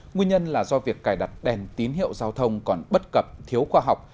nguyên nhân là do việc cài đặt đèn tín hiệu giao thông còn bất cập thiếu khoa học